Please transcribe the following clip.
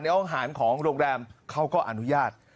ห้องอาหารของโรงแรมเขาก็อนุญาต